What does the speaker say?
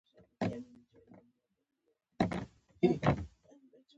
د شاه محمود له ماتې او تسلیمیدو نه وروسته شجاع الملک بالاحصار ته ننوت.